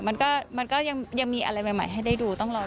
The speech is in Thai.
มันก็ยังมีอะไรใหม่ให้ได้ดูต้องรอ